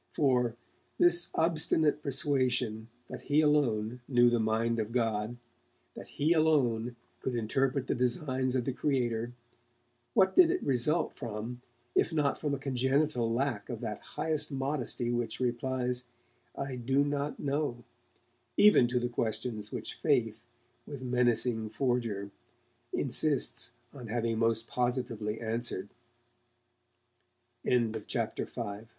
For, this obstinate persuasion that he alone knew the mind of God, that he alone could interpret the designs of the Creator, what did it result from if not from a congenital lack of that highest modesty which replies 'I do not know' even to the questions which Faith, with menacing forger, insists on having most positively answered? CHAPTER VI DURING t